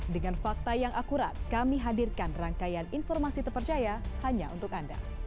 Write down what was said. dengan fakta yang akurat kami hadirkan rangkaian informasi terpercaya hanya untuk anda